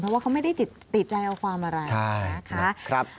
เพราะว่าเขาไม่ได้ติดใจเอาความอะไรนะคะ